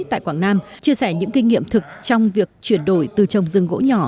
tại quảng nam chia sẻ những kinh nghiệm thực trong việc chuyển đổi từ trồng rừng gỗ nhỏ